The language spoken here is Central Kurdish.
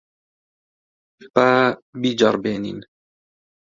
با بیجەڕبێنین.